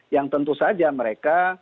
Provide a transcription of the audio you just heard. yang tentu saja mereka